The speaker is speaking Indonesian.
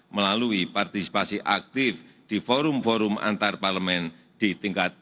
melalui partisipasi aktif di forum forum antarparlemen di tingkat